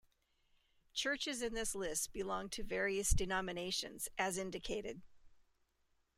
Churches in this list belong to various denominations, as indicated.